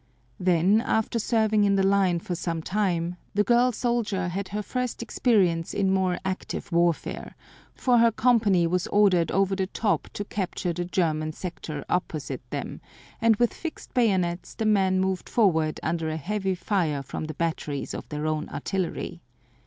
Then, after serving in the line for some time, the girl soldier had her first experience in more active warfare, for her company was ordered over the top to capture the German sector opposite them, and with fixed bayonets the men moved forward under a heavy fire from the batteries of their own artillery.